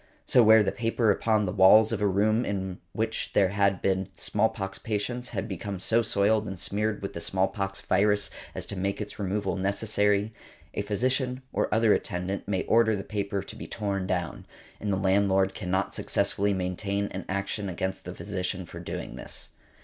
So, where the paper upon the walls of a room in which there had been smallpox patients had become so soiled and smeared with the smallpox virus as to make its removal necessary, a physician or other attendant may order the paper to be torn down; and the landlord cannot successfully maintain an action against the physician for doing this .